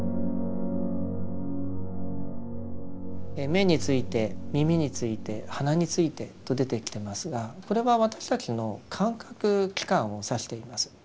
眼について耳について鼻についてと出てきてますがこれは私たちの感覚器官を指しています。